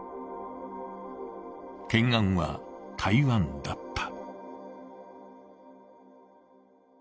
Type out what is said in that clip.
懸案は台湾だった。